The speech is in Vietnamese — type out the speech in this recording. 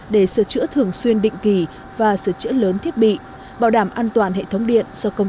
để sửa chữa thường xuyên định kỳ và sửa chữa lớn thiết bị bảo đảm an toàn hệ thống điện do công